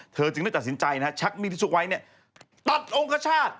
เธอจึงได้ตัดสินใจนะฮะชักมีที่สุขไว้ตัดองค์กระชาติ